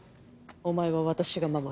お前は私が守る。